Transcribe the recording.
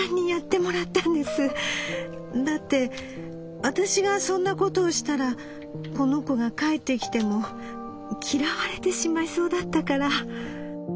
だってわたしがそんなことをしたらこの子が帰ってきても嫌われてしまいそうだったから』」。